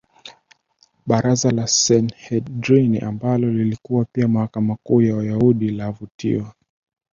baraza la Sanhedrini ambalo lilikuwa pia mahakama kuu ya Wayahudi alivutiwa